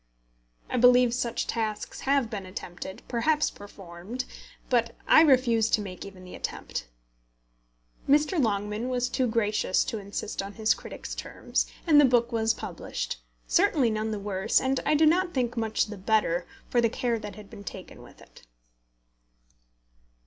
I believe such tasks have been attempted perhaps performed; but I refused to make even the attempt. Mr. Longman was too gracious to insist on his critic's terms; and the book was published, certainly none the worse, and I do not think much the better, for the care that had been taken with it.